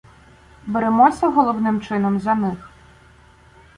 Беремося головним чином за них.